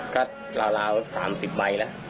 ก็ราวสามสิบใบล่ะ